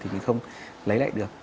thì mình không lấy lại được